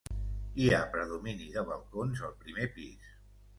Hi ha predomini de balcons al primer pis.